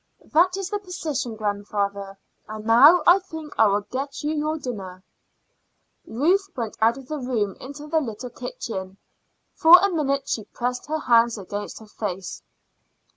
"That is the position, grandfather. And now I think I will get you your dinner." Ruth went out of the room into the little kitchen. For a minute she pressed her hands against her face.